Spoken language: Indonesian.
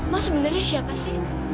mas sebenarnya siapa sih